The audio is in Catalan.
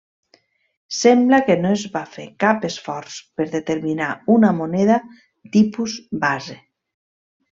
Sembla que no es va fer cap esforç per determinar una moneda tipus base.